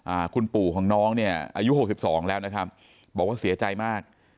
อ่าคุณปู่ของน้องเนี่ยอายุหกสิบสองแล้วนะครับบอกว่าเสียใจมาก